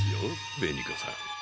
紅子さん。